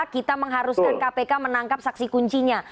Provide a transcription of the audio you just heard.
kita mengharuskan kpk menangkap saksi kuncinya